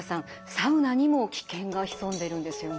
サウナにも危険が潜んでるんですよね。